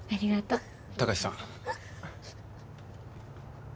貴司さん